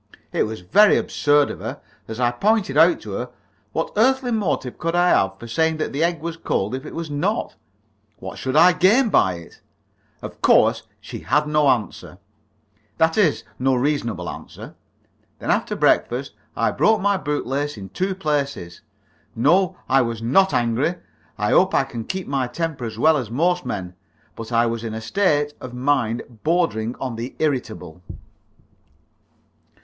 It was very absurd of her. As I pointed out to her, what earthly motive could I have for saying that an egg was cold if it was not? What should I gain by it? Of course she had no answer that is, no reasonable answer. Then after breakfast I broke my boot lace in two places. No, I was not angry. I hope I can keep my temper as well as most men. But I was in a state of mind bordering on the irritable.